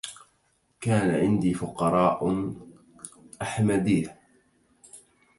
كان عندي فقراء أحمديه